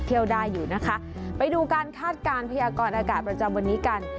เที่ยวได้อยู่นะคะไปดูการคาดการณ์พยากรอากาศประจำวันนี้กัน